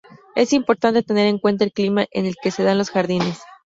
Es importante tener en cuenta el clima en que se dan los jardines.